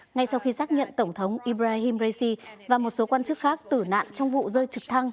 ngay sau khi xác nhận tổng thống ibrahim raisi và một số quan chức khác tử nạn trong vụ rơi trực thăng